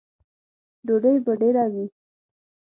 _ډوډۍ به ډېره وي؟